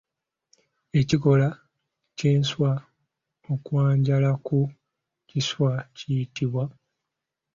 Ekikolwa ky'enswa okwanjala ku kiswa kiyitibwa?